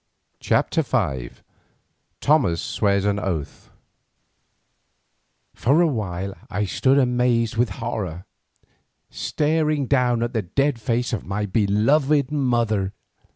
CHAPTER V THOMAS SWEARS AN OATH For a while I stood amazed with horror, staring down at the dead face of my beloved mother.